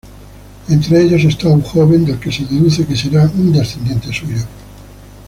Entre ellos está un joven, del que deduce que será un descendiente suyo.